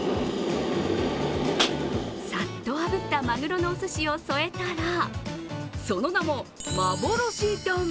さっとあぶったマグロのおすしを添えたら、その名も幻丼。